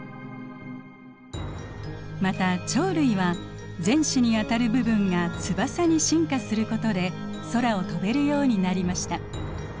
また鳥類は前肢にあたる部分が翼に進化することで空を飛べるようになりました。